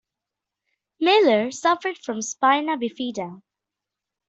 Miller suffered from spina bifida.